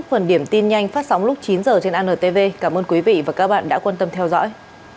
các phần điểm tin nhanh phát sóng lúc chín h trên antv cảm ơn quý vị và các bạn đã quan tâm theo dõi